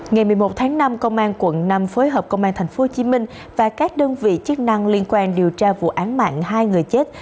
ngày một mươi một tháng năm công an quận năm phối hợp công an tp hcm và các đơn vị chức năng liên quan điều tra vụ án mạng hai người chết